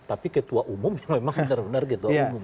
tapi ketua umum memang benar benar ketua umum